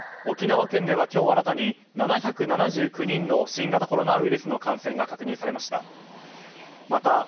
沖縄県では今日新たに７７９人の新型コロナウイルスの感染が確認されました。